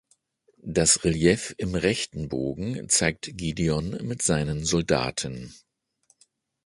Das Relief im rechten Bogen zeigt Gideon mit seinen Soldaten.